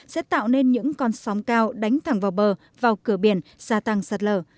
sẽ tạo nên những con sóng cao đánh thẳng vào bờ vào cửa biển gia tăng sạt lở